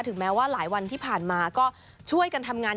แม้ว่าหลายวันที่ผ่านมาก็ช่วยกันทำงาน